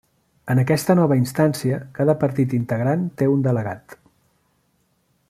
En aquesta nova instància cada partit integrant té un delegat.